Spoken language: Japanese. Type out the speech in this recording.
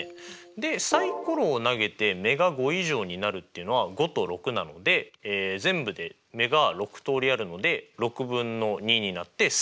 でサイコロを投げて目が５以上になるっていうのは５と６なので全部で目が６通りあるので６分の２になって３分の１ですよね。